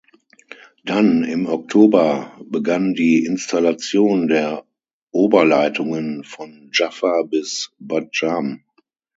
Dann im Oktober begann die Installation der Oberleitungen von Jaffa bis Bat Jam.